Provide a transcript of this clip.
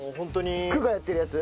区がやってるやつ？